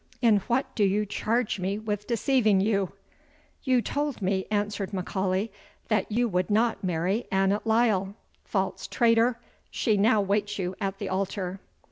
In what do you charge me with deceiving you?" "You told me," answered M'Aulay, "that you would not marry Annot Lyle! False traitor! she now waits you at the altar."